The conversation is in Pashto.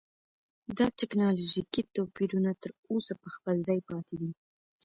دا ټکنالوژیکي توپیرونه تر اوسه په خپل ځای پاتې دي.